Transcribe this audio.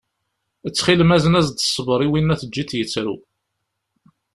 Ttxil-m azen-as-d ṣṣber i winna teǧǧiḍ yettru.